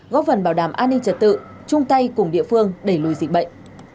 góp phần bảo đảm an ninh trật tự chung tay cùng địa phương đẩy lùi dịch bệnh